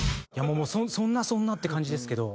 そんなそんなって感じですけど。